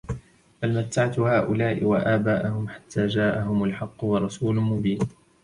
بل متعت هؤلاء وآباءهم حتى جاءهم الحق ورسول مبين